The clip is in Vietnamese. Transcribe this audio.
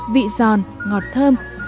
vị giòn ngọt thơm